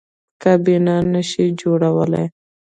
کابینه نه شي جوړولی.